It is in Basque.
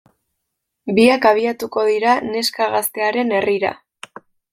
Biak abiatuko dira neska gaztearen herrira.